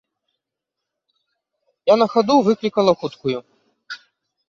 Я на хаду выклікала хуткую.